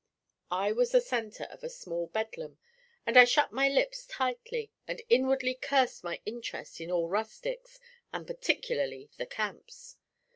I was the centre of a small bedlam, and I shut my lips tightly and inwardly cursed my interest in all rustics, and particularly the Camps.